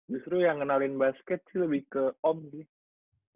justru yang kenalin basket sih lebih ke om sih